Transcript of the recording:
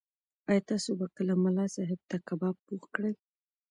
ایا تاسو به کله ملا صاحب ته کباب پوخ کړئ؟